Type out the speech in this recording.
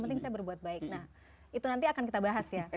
itu nanti akan kita bahas ya